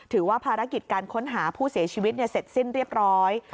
ถือว่าภารกิจการค้นหาผู้เสียชีวิตเสร็จสิ้นเรียบร้อย